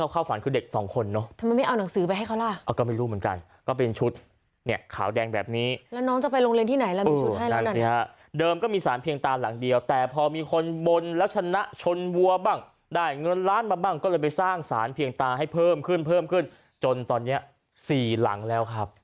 ก็คือถ้าชุดนักเรียนเยอะขนาดนี้มีเด็กเยอะขนาดนี้ก็เปิดเป็นโรงเรียนย่อมย้อนได้เลยนะครับ